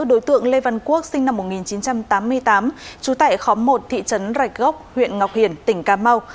đối tượng lê văn quốc sinh năm một nghìn chín trăm tám mươi tám trú tại khóm một thị trấn rạch gốc huyện ngọc hiển tỉnh cà mau